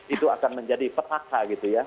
itu akan menjadi petaka gitu ya